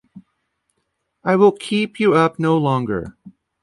I will keep you up no longer.